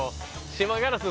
島ガラス